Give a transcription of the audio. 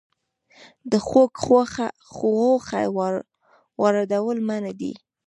د خوګ غوښه واردول منع دي